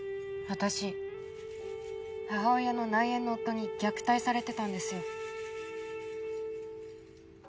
私母親の内縁の夫に虐待されてたんですよ。